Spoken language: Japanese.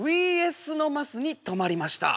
「ＶＳ」のマスに止まりました。